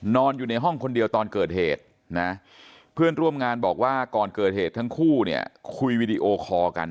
นอนอยู่ในห้องคนเดียวตอนเกิดเหตุนะเพื่อนร่วมงานบอกว่าก่อนเกิดเหตุทั้งคู่เนี่ยคุยวีดีโอคอร์กัน